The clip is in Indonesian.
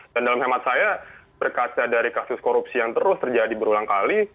dan dalam hemat saya berkaca dari kasus korupsi yang terus terjadi berulang kali